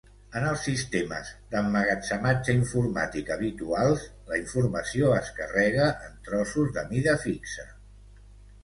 En els sistemes d'emmagatzematge informàtic habituals, la informació es carrega en trossos de mida fixa.